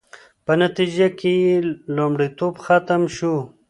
په نتیجه کې یې مریتوب ختم شو